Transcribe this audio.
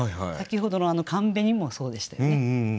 先ほどの「寒紅」もそうでしたよね。